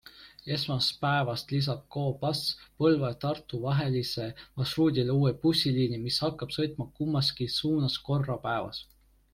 Esmaspäevast lisab Go Bus Põlva ja Tartu vahelisele marsruudile uue bussiliini, mis hakkab sõitma kummaski suunas korra päevas.